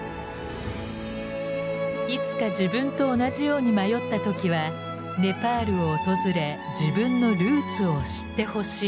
いつか自分と同じように迷った時はネパールを訪れ自分のルーツを知ってほしい。